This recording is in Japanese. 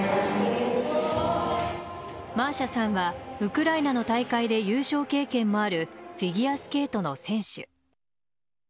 マーシャさんはウクライナの大会で優勝経験もあるフィギュアスケートの選手。